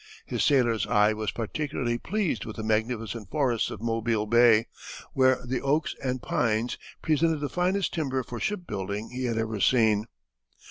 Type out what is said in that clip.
His sailor's eye was particularly pleased with the magnificent forests of Mobile Bay, where the oaks and pines presented the finest timber for ship building he had ever seen.